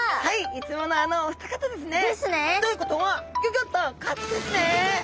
いつものあのお二方ですね。ですね。ということはギョギョッとこっちですね！